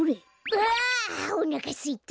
あおなかすいた！